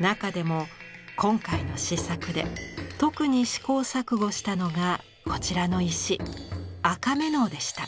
中でも今回の試作で特に試行錯誤したのがこちらの石赤瑪瑙でした。